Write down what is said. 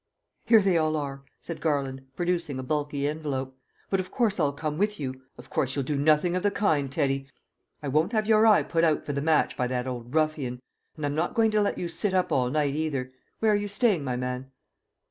"Here they all are," said Garland, producing a bulky envelope. "But of course I'll come with you " "Of course you'll do nothing of the kind, Teddy! I won't have your eye put out for the match by that old ruffian, and I'm not going to let you sit up all night either. Where are you staying, my man?"